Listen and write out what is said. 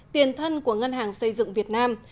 tiền thân của ngân hàng xây dựng việt nam